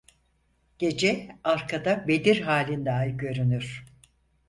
Gece; arkada bedir halinde ay görünür.